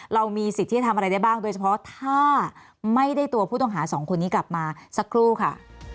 เรามีสิทธิ์ที่จะทำอะไรได้บ้างโดยเฉพาะถ้าไม่ได้ตัวผู้ต้องหาสองคนนี้กลับมาสักครู่ค่ะ